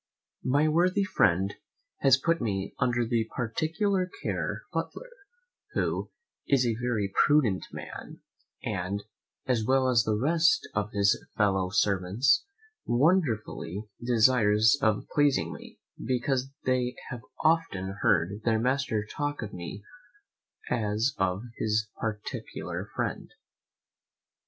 My worthy friend has put me under the particular care of his butler, who is a very prudent man, and, as well as the rest of his fellow servants, wonderfully desirous of pleasing me, because they have often heard their master talk of me as of his particular friend.